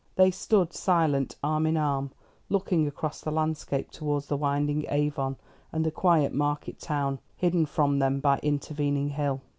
They stood silent, arm in arm, looking across the landscape towards the winding Avon and the quiet market town, hidden from them by intervening hill.